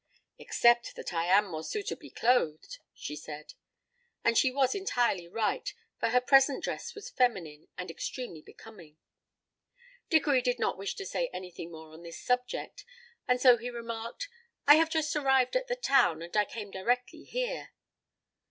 "Except that I am more suitably clothed," she said. And she was entirely right, for her present dress was feminine, and extremely becoming. Dickory did not wish to say anything more on this subject, and so he remarked: "I have just arrived at the town, and I came directly here."